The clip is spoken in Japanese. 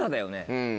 うん。